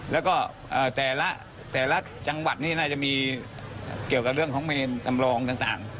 แล้วก็แต่ละจังหวัดนี่น่าจะมีเกี่ยวกับเรื่องของเมนจำลองต่าง